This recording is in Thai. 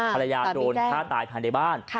ภรรยาโดนฆ่าตายภายในบ้าน